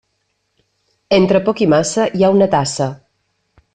Entre poc i massa hi ha una tassa.